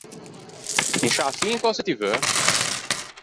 E in sciâ fin cöse ti veu?